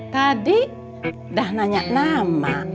tadi udah nanya nama